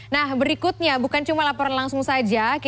nah berikutnya bukan cuma laporan langsung saja